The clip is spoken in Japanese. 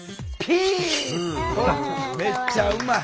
ほらめっちゃうまい。